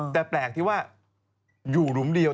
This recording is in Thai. แต่แปลกที่ว่าอยู่หลุมเดียว